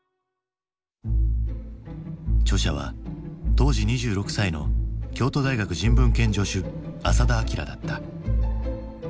著者は当時２６歳の京都大学人文研助手浅田彰だった。